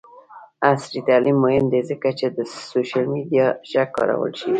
عصري تعلیم مهم دی ځکه چې د سوشل میډیا ښه کارول ښيي.